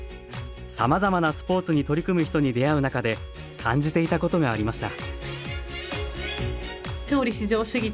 さまざまなスポーツに取り組む人に出会う中で感じていたことがありました